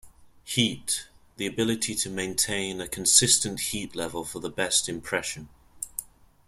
Heat: the ability to maintain a consistent heat level for the best impression.